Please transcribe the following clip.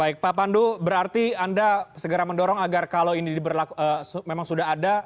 baik pak pandu berarti anda segera mendorong agar kalau ini memang sudah ada